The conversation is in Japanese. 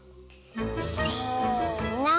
せの。